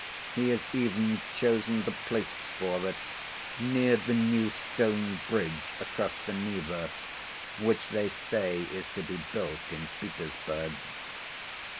He has even chosen the place for it, near the new stone bridge across the Neva, which they say is to be built in Petersburg."